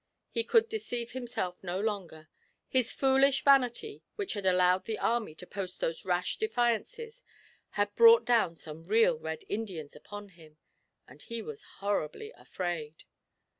He could deceive himself no longer; his foolish vanity, which had allowed the army to post those rash defiances, had brought down some real Red Indians upon him, and he was horribly afraid.